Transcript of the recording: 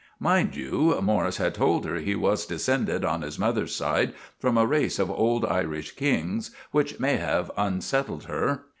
Mind you, Morris had told her he was descended, on his mother's side, from a race of old Irish kings, which may have unsettled her.